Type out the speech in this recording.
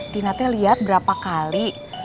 tina teh lihat berapa kali